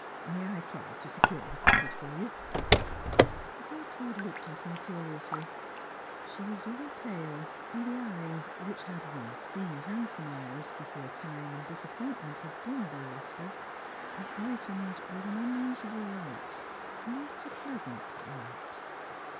May I try to secure the cottage for you ?" Gertrude looked at him curiously ; she was very pale, and the eyes, which had once been handsome eyes, before time and disappointment had dimmed their lustre, had brightened with an unusual light — not a pleasant light.